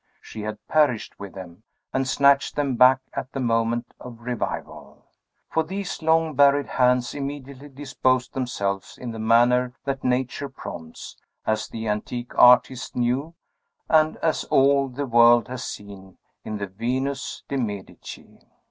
She had perished with them, and snatched them back at the moment of revival. For these long buried hands immediately disposed themselves in the manner that nature prompts, as the antique artist knew, and as all the world has seen, in the Venus de' Medici.